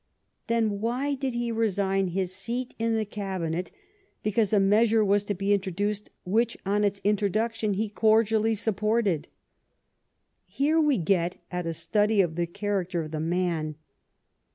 Then why did he resign his seat in the Cabinet because a measure was to be introduced which on its introduction he cordially supported ? Here we get at a study of the char acter of the man.